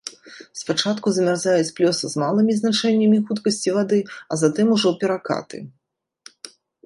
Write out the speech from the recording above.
Спачатку замярзаюць замярзаюць плёсы з малымі значэннямі хуткасці вады, а затым ужо перакаты.